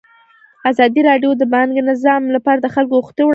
ازادي راډیو د بانکي نظام لپاره د خلکو غوښتنې وړاندې کړي.